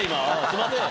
すみません。